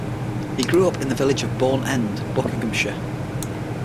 He grew up in the village of Bourne End, Buckinghamshire.